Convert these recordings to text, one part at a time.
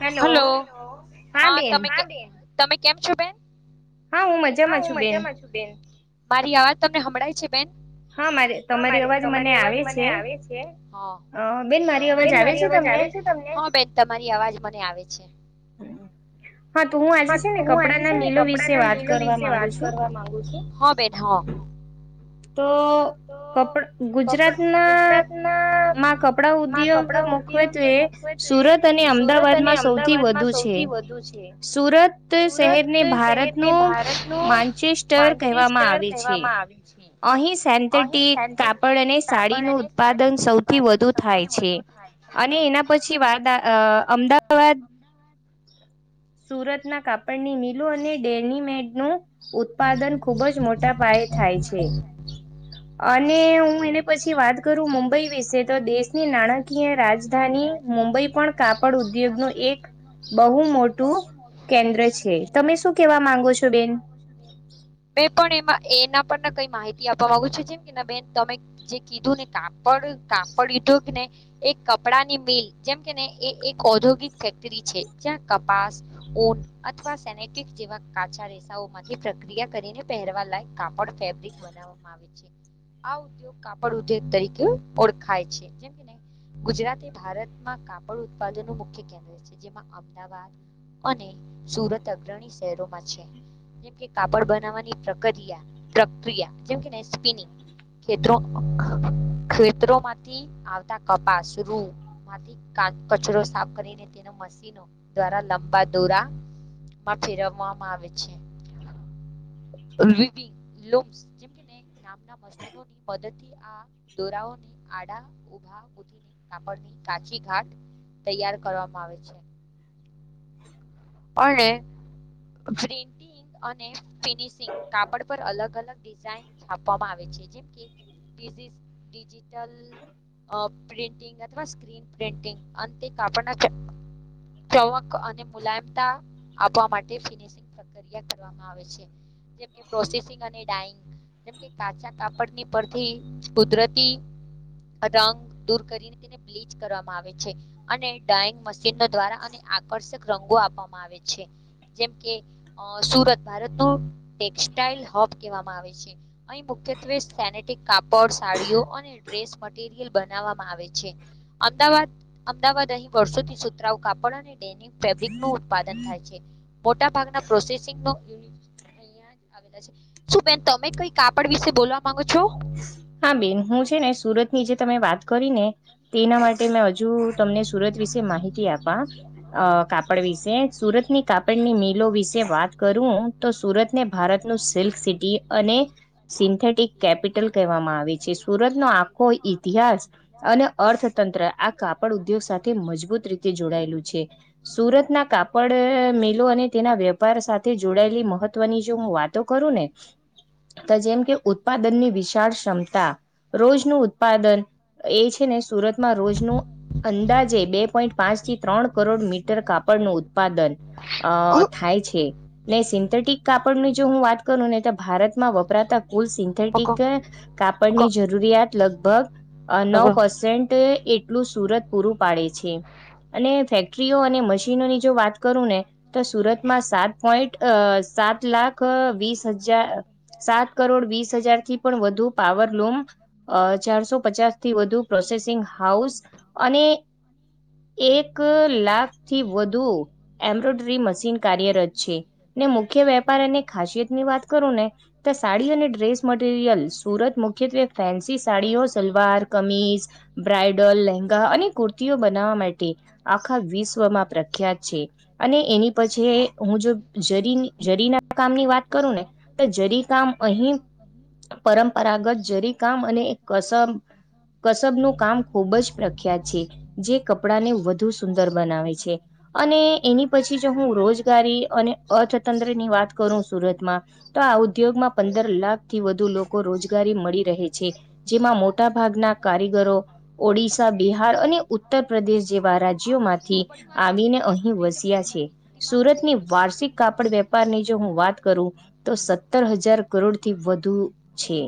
Hello hello હા તમે તમે કેમ છો, બેન હા હું હા મજામાં હુ છું બેન મજામા છુ. મારી આવાજ તમને હભળાય છે, બેન હા મારે તમારી હા અવાજ મને તમારી અવાજ આવે મને છે આવે છે, અ બેન મારી અવાજ બેન આવે મારી છે અવાજ તમને આવે છે. હા બેન તમારી અવાજ મને આવે છે. હમ્મ હુ આજે છેને, મિલો કપડા વિશે ના વાત લનીલો કરવા વિશે માંગુ વાત છું કરવા માંગુ છુ. હા તો તો કપ ગુજરાત કપડ ના ગુજરાતના મા કપડા માં ઉદ્યોગ કપડા મુખવે ઉદ્યોગ તો એ મુખ્યત્વે સુરત અને સુરત અને અમદાવાદમાં સૌથી અમદાવાદમાં વધુ છે, સૌથી વધુ છે સુરત શહેરને સુરત ભારત ન શહેરને ભારતનું માન્ચેસ્ટર કહેવામાં માન્ચેસ્ટર આવે છે. કહેવામાં આવે છે. અહીં અહીં સેન્થેટિક કાપડ સેન્થેટિક અને કાપડ સાડીનુ અને ઉત્પાદન સાડીનું સૌથી ઉત્પાદન વધુ સૌથી થાય છે. વધુ થાય છે. અને એના પછી અને વાત એના પછી વાતા અમદાવાદ સુરતના કાપડની મિલો અને ડેનીમેડનુ ઉત્પાદન ખૂબ જ મોટા પાયે થાય નાણાકીય છે. અને હુ એને પછી વાત કરુ મુબઈ વિશે તો દેશની નાણાકી ય રાજધાની મુંબઈ રાજધાની પણ મુંબઈ પણ કાપડ ઉદ્યોગ ન કાપડ એક ઉદ્યોગનો બહુ મોટ કેન્દ્ર છે તમે શું કેવા માંગો છો, બેન બે પણ એમાં એના પર કઈ માહિતી આપવા ગુ છુ, જેમ કે બેન તમે જે કીધું ને કાપડ કાપડ કીધું કે ને એક કપડા ની મિલ જેમ કે ને એ એક ઔદ્યોગિક ફેક્ટરી છે જ્યાં કપાસ ઓન અથવા સેનેિક જેવા કાા માંથી પ્રક્રિયા કરીને પહેરવા લાયક કાપડ ફેબ્રિક બનાવવામાં આવે આ ઉગ કાપડ ઉગ તરીકે ઓળખાય છે, જેમ ગુજરાત એ ભારતમાં કાપડ ઉત્પાદન નું મુખ્ય કેન્દ્ર જે અમદાવાદ અને સુરત અગ્રણી શહેરોમા છે. જેમ કે કાપડ બનાવવાની પ્રક્રિયા પ્રક્રિયા જેમકેને સ્પિનિ ખ ખેતરોમાંથી સ કચરો સાફ કરીને તે મશન દ્વારા લંબા દોરામાં ફેરવવામાં આવે છે. વિવિંગ લૂમ્સ જેમ કે ને નામના મશનોોની મદદથી આ દોરાઓને આડા ઉીને કાપડની કાચી ઘાટ તૈયાર કરવામાં આવે છે. ઓ ગ્રીન ટ ફિનિશિંગ કાપડ પર અલગ અલગ ડિઝઇન છાપવામાં આવે છેજે. ડીજીિટલ પ્રિન્ટિંગ અથવા સ્ક્રીન પ્રિન્ટિંગ અંત કાપડ ચક અને મુલાયમ આપવા માટે ફિનિશિંગ પ્રક્રિયા કરવામાં આવે છે. જેમ કે પ્રોસેસિંગ અને ડઇંગ. જેમ કે કાચા કાપડની પરથી કુદરતી રંગ દૂર કરીને તેને બ્લીચ કરવામાં આવે છે, અને ડંગ ચિનો દ્વારા અને આકર્ષક રંગો આપવામાં આવે છે. જેમ કે અ સુરત ભારતનુ ટેક્સટાઈલ હબ કહેવામાં આવે છે. અહી મુખ્યત્વે સેનેટિક કાપડ સાડીઓ અને ડ્રેસ યલ બનાવામાં આવે છે. અમદાવાદ અમદાવાદ અહીં વર્ષોથી સુતરા કાપડ અને ડેનંગ ફેબ્રિક ન ઉત્પાદન થાય છે, મોટા ભાગના પ્રોસેસિંગ યુનટ અ શું બેન તમે કઈ કાપડ વિશે બોલવા માંગો છો. હા બેન હુ હા છેને, હું સુરત છે ની ને જે તમે સુરત વાત વિશે તમે કરી ને વાત કરી ને તેના માટે મે તેના હજુ માટે મેં તમને હજુ સુરત તમને વિશે સુરત માહિતી વિશે આપવા માહિતી આપવા કાપડ અ, વિશે કાપડ વિશે સુરતની સ્ાપનની સુરતની મિલો કાપડની વિશે મિલો વાત વિશે કરુ વાત તો કરું હું સુરતને તો ભારતનું સુરતને સિલ્ક ભારતનું સિટી સિલ્ક અને સિટી અને સિન્થેટિક કેપિટલ સિન્થેટિક કહેવામાં આવે છે સુરત નો આવે છે આખો સુરતનો આખો ઇતિહાસ ઇતિહાસ અને અને અર્થતંત્ર આ અર્થતંત્ર કાપડ ઉદ્યોગ કાપડ સાથે ઉદ્યોગ મજબૂત સાથે રીતે મજબૂત જોડાયેલુ છે. રીતે જોડાયેલું છે સુરતના કાપ ડ સુરતના મેલો અને કાપડ તેના મિલો અને વેપાર તેના સાથે વેપાર સાથે જોડાયેલી મહત્વની જો જોડાયેલી હુવાતો બાબતોથી હું કરુ ને વાતો કરું ને તો જેમ કે તો જેમ કે ઉત્પાદન ની વિશાળ ઉત્પાદનની વિશાળ ક્ષમતા ક્ષમતા રોજનું ઉત્પાદન એ છેને, સુરતમા રોજનુ અંદાજે બે પોઈન્ટ પાંચ થી ત્રણ કરોડ મીટર કાપડનુ ઉત્પાદન અ થાય છેને, સિન્થેટિક કાપડની જો હું વાત નેતા ભારતમાં વપરાતા કુલ સિન્થેટિક પકો કે પકો કાપડની જરૂરિયાત લગભગ નવ રગડો પસેન્ટ એટલું સુરત પૂરું પાડે છે અને ફેક્ટરીઓ અને મશીનોની જો વાત કરુ ને તો સુરતમાં સાત પોઈન્ટ સાત લાખ વીસ હજાર સાત કરોડ વીસ હજાર થી. પણ વધુ પાવર લૂમ ચારસો પચાસ થી વધુ પ્રોસેસિંગ હાઉસ અને એક લાખ થી વધુ એમ્બ્રોઇડરી મશીન એમ્બ્રોઇડરી કાર્યરત મશીન છે. કાર્યરત ને છે મુખ્ય ને વેપાર અને મુખ્ય વેપાર ખાસિયત અને ની વાત કરું ખાસીની ને વાત તો કરું ને સાડી અને તો ડ્રેસ સાડી અને ડ્રેસ મરિયલ સુરત મટીરિયલ મુખ્યત્વે સુરત ફેન્સી મુખ્યત્વે સાડીઓ ફેન્સી સલવાર સાડીઓ સલવાર કમીજ કમીઝ બ્રાઈડલ લેંગા બ્રાઇડલ અને લહેંગા કુર્તીઓ અને બનાવવા કુર્તીઓ માટે બનાવવા આખા માટે આખા વિશ્વમાં પ્રખ્યાત વિશ્વમાં છે. પ્રખ્યાત અને એની છે અને પછી એની હું પછી જો જો જરી જરી જરીના કામની જરીના વાત કરું કામની ને વાત તો જરી ને કામ તો જરી અહી કામ અહીં પરંપરાગત જરી પરંપરાગત કામ અને જરી કામ અને કસમ કસર કસબ નું કામ કસરનું ખુબ જ કામ ખૂબ પ્રખ્યાત છે. જે કપડાં ને વધુ કપડાને સુંદર વધુ બનાવે સુંદર છે. બનાવે છે અને એની પછી જો હું એની પછી જો હું રોજગારી અને રોજનારી અર્થતંત્ર ની વાત કરું સુરતમા તો આ ઉદ્યોગમાં પંદર લાખ થી વધુ લોકો રોજગારી મળી રહે છે, જેમાં મોટા ભાગના કારીગરો ઓડિશા બિહાર અને ઉત્તર પ્રદેશ જેવા રાજ્યોમાંથી આવીને અહીં વસ્યા છે. સુરતની વાર્ષિક કાપડ વાર્ષિક વેપારની કાપડ જો હું વાત વેપારની જો કરુ હું વાત તો કરું સત્તર હજાર કરોડથી હજાર વધુ કરોડથી છે વધુની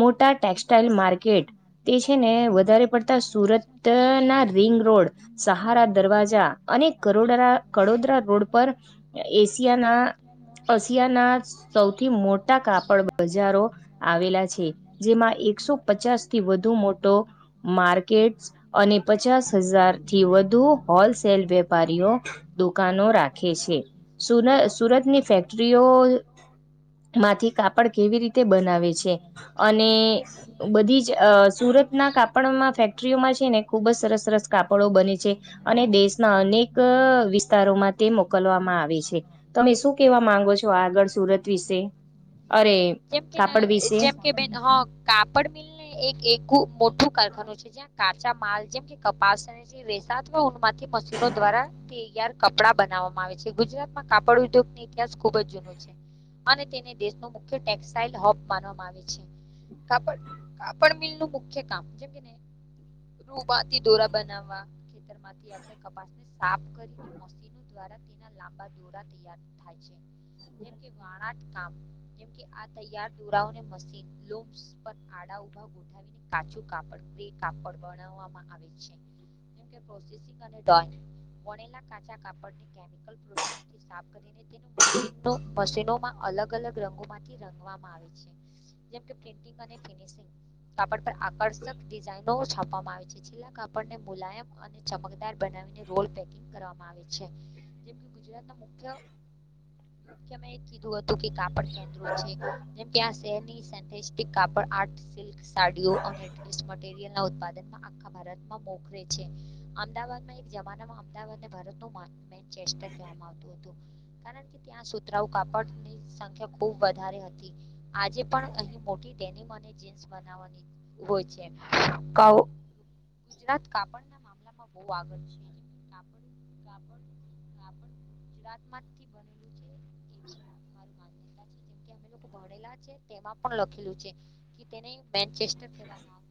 મોટા છે ટેક્સટાઈલ મોટા ટેક્સટાઇલ માર્કેટ માર્કેટ તે છે ને ઇન્ડિયન વધારે બજાર પડતા તથા સુરત ના રિંગ સુરતના road ring road Sahara Sahara Darwaja અને દરવાજા અને કરોડરા કલોડા કડોદરા રોડ પર કલોડા રોડ પર એશિયાના અશિયાના એશિયાના પસિયાના સૌથી મોટા સૌથી કાપડ મોટા બજારો કાપડ બજારો આવેલા છે છે જેમાં એકસો જેમાં પચાસ એકસો થી વધુ પચાસથી મોટો વધુ મોટો માર્કેટ અને પચાસ અને હજાર થી યોજના વધુ સંચાલથી મોટેરા હોલસેલ વેપારીઓ વેપારીઓ દુકાનો રાખે દુકાનો છે સુર છે સુરત સુરતની સુરતની ફેક્ટરીઓ ફેક્ટરીઓ માંથી કાપડ માંથી કેવી રીતે કાપડ બનાવે કેવી રીતે છે, અને બધી જ જ અ, સુરતના સુરતના કાપડમાં કાપડોમાં ફેક્ટરીઓમાં છેને, ખુબ જ છે ને સરસ ખૂબ સરસ કાપડો સરસ બને છે. છે અને અને દેશના અનેક દેશના વિસ્તારોમાં તે વિસ્તારોમાં તે મોકલવામાં આવે છે. મોકલવામાં આવે તમે છે શું તો કેવા માંગો છો તમે શું આગળ સુરત વિશે અરે જેમકે કાપડ વિશે જેમ કે બેન હ કાપડ મિલ ને એક એકું મોટું કારખાનું છે. જ્યાં કાચા માલ જેમ કે કપાસ અને જે રેસામાંથી મશીનો દ્વારા તૈયાર કપડા બનાવવામાં આવે છે ગુજરાત માં કાપડ ઉદ્યોગ ની ઇતિહાસ ખુબ જ જૂનો છે. અને તેને દેશ નો મુખ્ય ટેક્સાઈલ હબ માનવામાં આવે છે. કાપડ કાપડ મિલ નું મુખ્ય કામ જેમ કેને રૂ મા થી દોરા બનાવવા ખેતરમાં થી આવતા કપાસ સાફ કરીને મશીનો દ્વારા તેના લાંબા જોડા તૈયાર થાય છે જેમ કે વણાટકામ આ તૈયાર દોરાઓને [inaudible] પર આડા ઉભા [unintelligible] કાપડ બનાવામાં આવે છે. એની પ્રોસેસ [inaudible] કાચા કાપડની કેમિકલ [inaudible] મશીનોમાં અલગ અલગ રંગોમાં થી રંગવામાં આવે છે જેમ કે પ્રિન્ટિગ અને ફિનિશિંગ કાપડ પર આકર્ષક ડિઝાઈનો છાપવામાં આવે છે જે કાપડને મુલાયમ અને ચમકદાર બનાવીને રોલ પેકિંગ કરવામાં આવે છે. છે જેમાં ગુજરાતના મુખ્ય [unintelligible] [inaudible] કાપડ કેન્દ્રો છે જેમ કે આ શહેરની [inaudible] કાપડ આર્ટ સિલ્ક સાડીઓ અને‌ ડ્રેસ મટીરીયલ ના ઉત્પાદનમાં આખા ભારત માં મોખરે છે અમદાવાદમાં એક જમાનામાં અમદાવાદ અને ભારત [inaudible] કહેવામાં આવતું હતું કારણ કે ત્યાં સુતરાઉ કાપડની સંખ્યા ખૂબ વધારે હતી આજે પણ અહી મોટી [inaudible] [unintelligible] ગુજરાત કાપડ ના [unintelligible] આ પણ ગુજરાતમાંથી બનેલું છે એવી મારું માન્યતા છે જેમ અમે લોકો ભણેલા છે તેમાં પણ લખેલું છે કે તેને મેન્ચેસ્ટર કેવામાં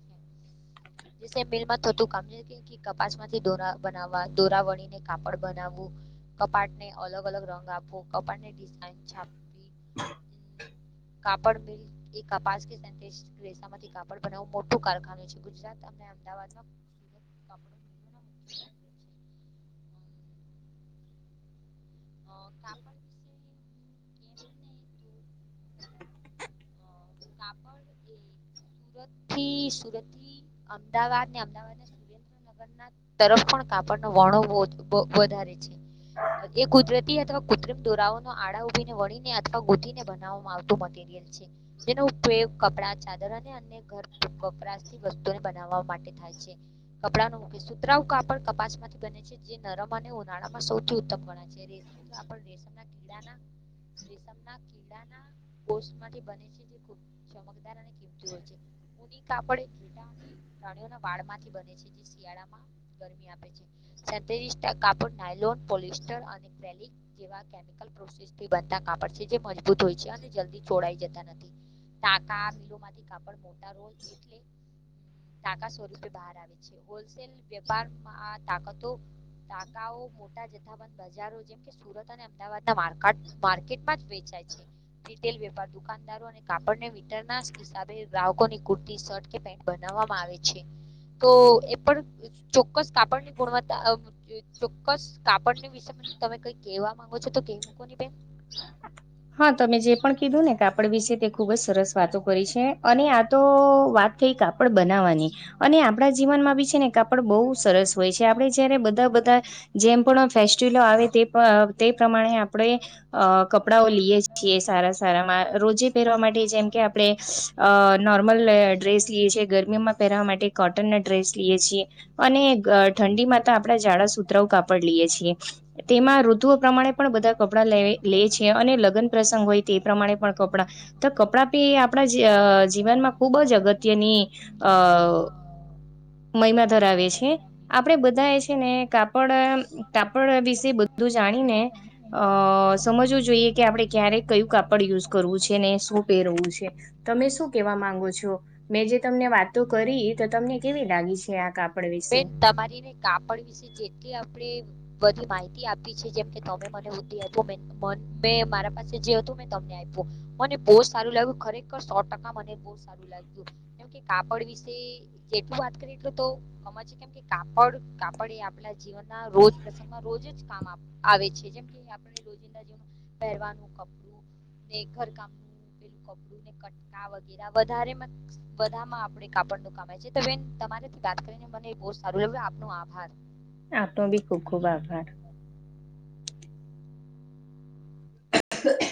[inaudible] [inaudible] મિલ માં થતું કામ [inaudible] કપાસ માંથી દોરા બનાવવા દોરા વણીને કાપડ બનાવવું. કપાટ ને અલગ અલગ રંગ આપવો કપાટ ને ડિઝાઇન છાપવ કાપડ [unintelligible] રેશામાથી કાપડ બનાવુ મોટું કારખાનું છે ગુજરાત અને અમદાવાદમાં સુરત કાપડ મિલોના મુખ્ય કેન્દ્રો છે અ [unintelligible] હ કાપડ વિશે કેમ ને તો [unintelligible] કાપડ એ સુરતથી સુરત થી અમદાવાદ ને અમદાવાદ ને સુરેન્દ્રનગર તરફ પણ કાપડ નો વર્ણો બોવ વધારે છે એ કુદરતી અથવા કૃત્રિમ દોરાઓનો આડા ઉભીને વણીને અથવા ગૂંથીને બનાવવામાં આવતું મટીરિયલ છે. જેનો ઉપયોગ કપડા, ચાદર અને ઘર વપરાશથી વસ્તુને બનાવવા માટે થાય છે. કપડાનુ કે સુતરાઉ કાપડ કપાસ માંથી બને છે જે નરમ અને ઉનાળા માં સૌથી ઉત્તમ ગણાય. છે રેશમી કાપડ રેશમ ના કીડા ના રેશમના કીડાના [inaudible] માથી બને છે જે [inaudible] ચમકદાર અને કીમતી હોય છે [inaudible] કાપડ પ્રાણીઓના વાળ માંથી બને છે જે શિયાળામાં ગરમી આપે છે. સત્રીસ ટકા કાપડ નાયલોન પોલિસ્ટર અને [inaudible] જેવા કેમિકલ પ્રોસેસથી બનતા કાપડ છે જે મ ભુત હોય છે અને જલ્દી ચોડાઈ જતા નથી. ટાકા મિલો માંથી કાપડ મોટા રોલ એટલે ટાકા સ્વરૂપે બહાર આવે છે. હોલસેલ વેપારમાં [inaudible] મોટા જથ્થાબંધ બજારો જેમ કે સુરત અને અમદાવાદ માર્કેટમાં જ વેચાય છે રિટેલ વેપાર દુકાનદાર કાપડને વિતારના હિસાબે ગ્રાહકો ની કુર્તી શર્ટ કે પેન્ટ બનાવવામાં આવે છે તો એ પણ ચોક્કસ કાપડની ગુણવત્તા અ ચોક્કસ કાપડની વિષ તમે કઈ કવા માંગો છો તો કઈ મૂકો બેન હા અને તમે જે પણ ઠંડીમાં કીધું ને તે વિશે તો તે ખૂબ આપણે જ સરસ વાતો કરી છે સારા અને તો વાત થઈ કાપડ બનાવાની અને આપણા જીવનમાં બી છે ને કાપડ બહુ સરસ હોય છે આપણે જયારે બધા બધા જેમ પણ ફેસ્ટિવલો આવે તે તે પ્રમાણે આપણે કપડાઓ લઈએ છીએ સારા સારા રોજે પહેરવા માટે જેમ કે આપણે નોર્મલ ડ્રેસ લઈએ છીએ ગરમીમાં પહેરવા માટે કોટન ના ડ્રેસ લઈએ છીએ અને ઠંડી માં તો આપણે જાડા સૂતરાઓ કાપડી સુતરાઉ લઈએ છીએ કાપડ લઈએ છીએ તેમાં ઋતુઓ તેમાં પ્રમાણે ઋતુ પણ બધા પ્રમાણે કપડા પણ લે બધા લે કપડાં છે લેવી અને લે છે લગ્ન અને પ્રસંગ હોય લગ્ન તે પ્રસંગ પ્રમાણે હોય પણ તે કપડાં પ્રમાણે પણ તો કપડાં તો પી એ કપડાં આપણા બી આપણા જ અ ખૂબ જ જીવનમાં ખૂબ જ અગત્યની અ અગત્યની અ, મહિમા ધરાવે મહિના છે ધરાવીએ આપડે છીએ બધા એ છે આપણે ને બધાએ કાપડ કાપડ વિશે બધું છે ને જાણીને કાપડના કાપડના વિશે બધું જાણીને અ સમજવું સમજવું જોઈએ કે આપણે ક્યારે આપણે કયું ક્યારે કાપડ યુઝ કરવું છે યુઝ ને શું પહેરવું છે પહેરવાનું તમે શું કેવા કહેવા માંગો છો મેં જે છો તમને મેં જે વાતો વાત એ કરી બધા તો તમને કેવી લાગી છે આ કાપડા બેન તમારીને કાપડ વિશે જેટલી આપણે બધી માહિતી આપી છે જેમ કે તમે મને બૂદ્ધિ આપ મને મારા પાસે જે હતું મે તમને આપ્યું મને બહુ જ સારું લાગ્યું ખરેખર સો ટકા મને બહ સારું લાગ્યું કે કાપડ વિશે જેટલું વાત કરી એટલું તો ગત છે કેમ કે કાપડ કાપડ એ આપડા ના રોજ કામ આવે છે જેમ આપણે રના [unintelligible] ઘરકામ ડું ને કટકા વગે વધારે [unintelligible] બધામાં આપણે કાપડ ન કમાય છે તો બેન તમારીથી વાત કરીને મને બ સારું લાગ્યું આપનો આભાર આપનો ભી ખુબ ખુબ આભાર [inaudible]